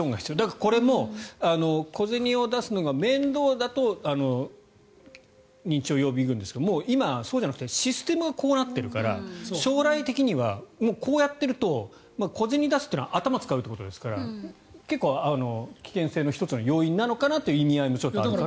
これも小銭を出すのが面倒だと認知症予備軍ですけどもう今はそうじゃなくてシステムがそうなっているから将来的にはこうやっていると小銭を出すというのは頭を使うということですから結構、危険性の１つの要因なのかなという意味合いもちょっとあるのかなと。